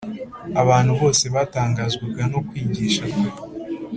Abantu bose batangazwaga no kwigisha kwe